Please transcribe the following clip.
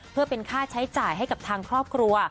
เพื่อเป็นค่าใช้จ่ายให้กับทางครอบครัว